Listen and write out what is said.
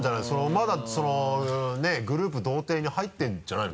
まだそのねグループ「童貞」に入ってるんじゃないの？